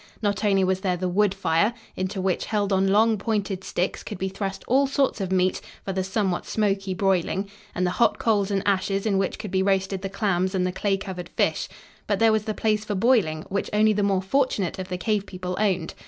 Not only was there the wood fire, into which, held on long, pointed sticks, could be thrust all sorts of meat for the somewhat smoky broiling, and the hot coals and ashes in which could be roasted the clams and the clay covered fish, but there was the place for boiling, which only the more fortunate of the cave people owned.